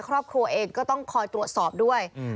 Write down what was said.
ครอบครัวเองก็ต้องคอยตรวจสอบด้วย